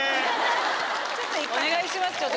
お願いします